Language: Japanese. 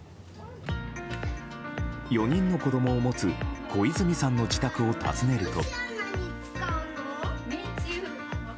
４人の子供を持つ小泉さんの自宅を訪ねると。